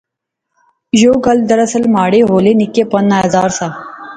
یو گل دراصل مہاڑے ہولے نکے پن نا اظہار سا